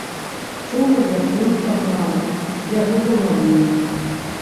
Чула, як ён стагнаў, я жыву над імі.